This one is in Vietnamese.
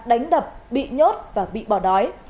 đánh đập bị nhốt và bị bỏ đói